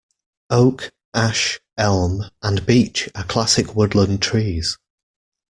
Oak, ash, elm and beech are classic woodland trees.